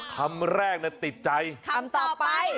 คำแรกติดใจคำต่อไป